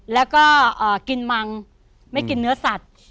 แล้วก็กินมังไม่กินเนื้อสัตว์